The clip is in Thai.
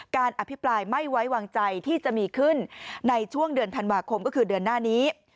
อภิปรายไม่ไว้วางใจที่จะมีขึ้นในช่วงเดือนธันวาคมก็คือเดือนหน้านี้